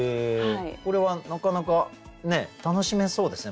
これはなかなか楽しめそうですね。